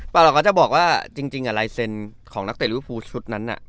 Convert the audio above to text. แต่เราก็จะบอกว่าจริงอ่ะลายเซ็นของนักเตะรุยภูมิชุดนั้นน่ะ